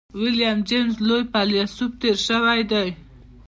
ويليم جېمز لوی فيلسوف تېر شوی دی.